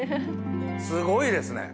すごいですね。